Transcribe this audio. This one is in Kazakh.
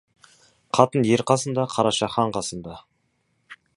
Қатын ер қасында, қараша хан қасында.